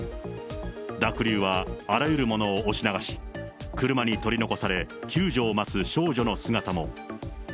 濁流はあらゆるものを押し流し、車に取り残され、救助を待つ少女の姿も。